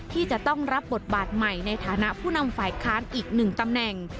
ที่จะต้องรับบทบาทใหม่ในฐานะผู้นำฝ่ายค้านอีกหนึ่งตำแหน่ง